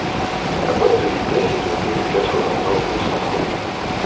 La boîte de vitesses est dotée de quatre rapports non synchronisés.